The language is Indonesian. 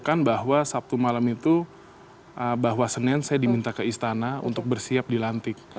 saya mengatakan bahwa sabtu malam itu bahwa senin saya diminta ke istana untuk bersiap dilantik